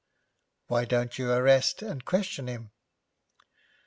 'Why don't you arrest and question him?'